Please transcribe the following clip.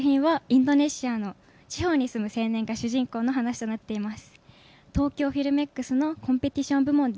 この作品はインドネシアの田舎町に住む青年の話となっています。